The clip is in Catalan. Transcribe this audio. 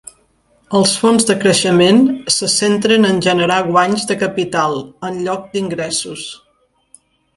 Els fons de creixement se centren en generar guanys de capital en lloc d'ingressos.